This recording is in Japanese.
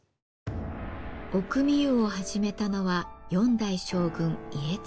御汲湯を始めたのは４代将軍家綱。